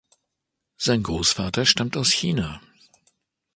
Sein Großvater stammt aus China.